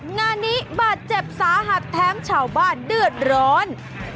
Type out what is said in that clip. งานนี้บาดเจ็บสาหัสแถมชาวบ้านเดือดร้อน